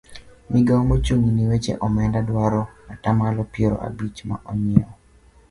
migawo mochung' ne weche onenda dwaro atamalo piero abich ma onyiew